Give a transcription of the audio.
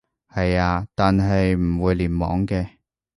係啊，但係唔會聯網嘅